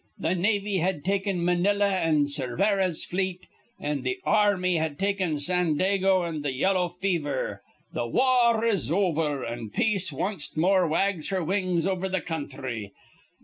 Th' navy had taken Manila an' Cervera's fleet, an' th' ar rmy had taken Sandago an' th' yellow fever. Th' war is over, an' peace wanst more wags her wings over th' counthry.